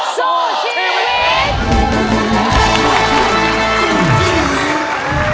สู้ชีวิต